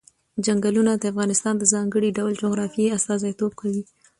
چنګلونه د افغانستان د ځانګړي ډول جغرافیه استازیتوب کوي.